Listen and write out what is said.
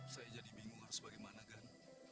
saya jadi bingung harus bagaimana kan